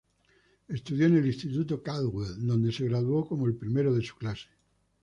Estudió en el Instituto Caldwell, donde se graduó como el primero de su clase.